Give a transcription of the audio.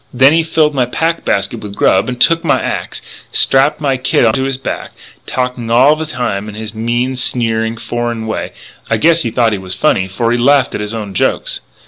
Then he filled my pack basket with grub, and took my axe, and strapped my kit onto his back.... And talking all the time in his mean, sneery, foreign way and I guess he thought he was funny, for he laughed at his own jokes.